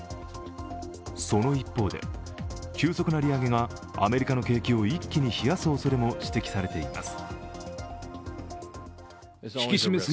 その一方で、急速な利上げがアメリカの景気を一気に冷やすおそれも指摘されています。